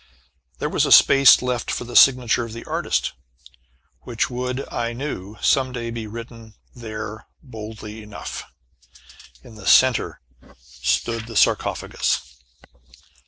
There was a space left for the signature of the artist, which would, I knew, some day be written there boldly enough! In the centre stood the sarcophagus.